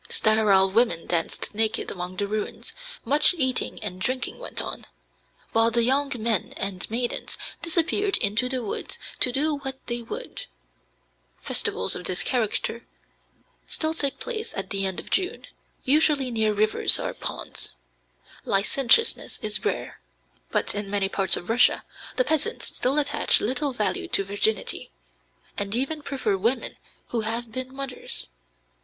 Sterile women danced naked among the ruins; much eating and drinking went on, while the young men and maidens disappeared into the woods to do what they would. Festivals of this character still take place at the end of June in some districts. Young unmarried couples jump barefoot over large fires, usually near rivers or ponds. Licentiousness is rare. But in many parts of Russia the peasants still attach little value to virginity, and even prefer women who have been mothers.